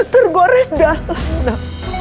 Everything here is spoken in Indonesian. tergores dalam nama